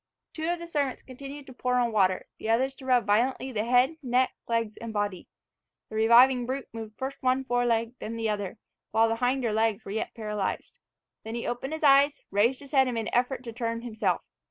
Two of the servants continued to pour on water, the others to rub violently the head, neck, legs and body. The reviving brute moved first one foreleg, then the other, while the hinder legs were yet paralysed. Then he opened his eyes, raised his head, and made an effort to turn himself.